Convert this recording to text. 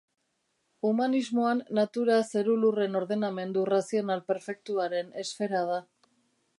Humanismoan Natura zeru-lurren ordenamendu razional perfektuaren esfera da.